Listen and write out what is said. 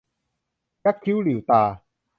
ยักคิ้วหลิ่วตา